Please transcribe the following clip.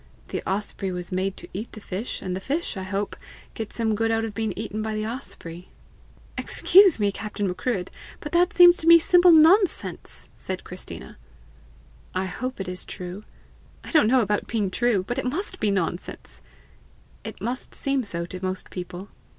The osprey was made to eat the fish, and the fish, I hope, get some good of being eaten by the osprey." "Excuse me, Captain Macruadh, but that seems to me simple nonsense!" said Christina. "I hope it is true." "I don't know about being true, but it must be nonsense." "It must seem so to most people."